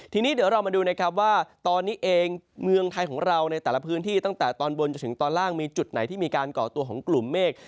ทีนี้เดี๋ยวเรามาดูนะครับว่าตอนนี้เองเมืองไทยของเราในแต่ละพื้นที่ตั้งแต่ตอนบนจนถึงตอนล่างมีจุดไหนที่มีการก่อตัวของกลุ่มเมฆ